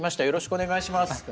よろしくお願いします。